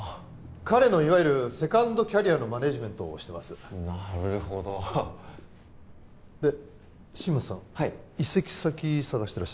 彼のいわゆるセカンドキャリアのマネジメントをしてますなるほどで新町さん移籍先探してらっしゃる？